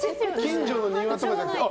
近所の庭とかじゃなくて。